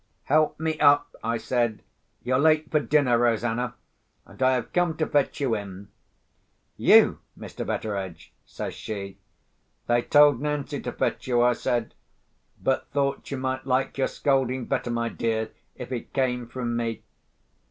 "Help me up," I said. "You're late for dinner, Rosanna—and I have come to fetch you in." "You, Mr. Betteredge!" says she. "They told Nancy to fetch you," I said. "But I thought you might like your scolding better, my dear, if it came from me."